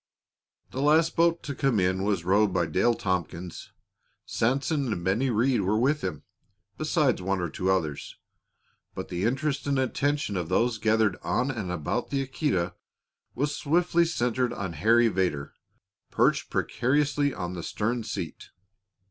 The last boat to come in was rowed by Dale Tompkins. Sanson and Bennie Rhead were with him, besides one or two others; but the interest and attention of those gathered on and about the Aquita was swiftly centered on Harry Vedder, perched precariously on the stern seat.